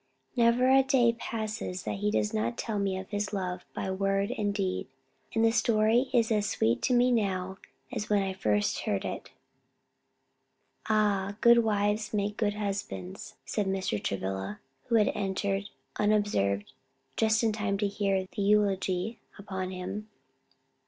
Never a day passes that he does not tell me of his love by word and deed, and the story is as sweet to me now, as when first I heard it." "Ah, good wives make good husbands," said Mr. Travilla, who had entered unobserved, just in time to hear the eulogy upon him.